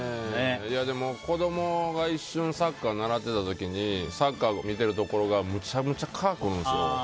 でも、子供が一瞬サッカーを習っていた時にサッカーを見ているところがめちゃくちゃ蚊が来るんですよ。